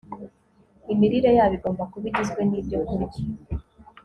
Imirire yabo igomba kuba igizwe nibyokurya